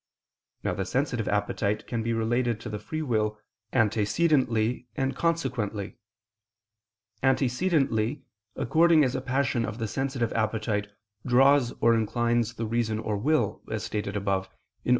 Now the sensitive appetite can be related to the free will, antecedently and consequently: antecedently, according as a passion of the sensitive appetite draws or inclines the reason or will, as stated above (AA.